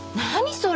それ。